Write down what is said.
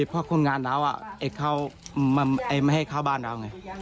พ่อคนงานแล้วอะไอ้เข้าไอ้มันให้เข้าบ้านแล้วไง